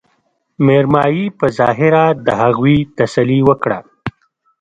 مېرمايي په ظاهره د هغوي تسلې وکړه